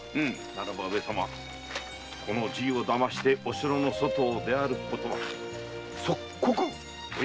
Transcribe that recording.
ならば上様じいを騙してお城の外を出歩くことは即刻おやめくだされ。